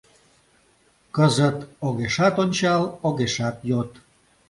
Кызыт огешат ончал, огешат йод...